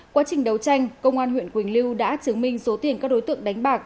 quá trình đấu tranh công an huyện quỳnh lưu đã chứng minh số tiền các đối tượng đánh bạc